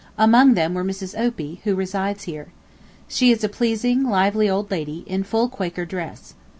Among them were Mrs. Opie, who resides here. She is a pleasing, lively old lady, in full Quaker dress.